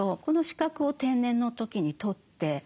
この資格を定年の時に取って。